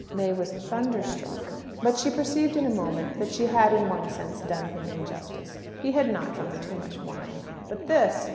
May was thunderstruck. But she perceived in a moment that she had, in one sense, done him injustice he had not drunk too much wine. But this